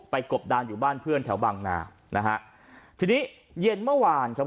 กบดานอยู่บ้านเพื่อนแถวบางนานะฮะทีนี้เย็นเมื่อวานครับ